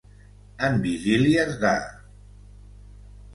En vigílies de.